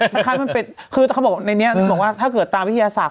มันค่ะมันเป็นคือเขาบอกในนี้บอกว่าถ้าเกิดตามวิทยาศาสตร์